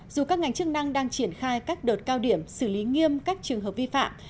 dù các ngành chức năng đang triển khai các đợt cao điểm xử lý nghiêm các trường hợp vi phạm